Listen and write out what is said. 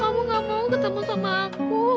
aku nanggal kan atau keep calling separating piru oben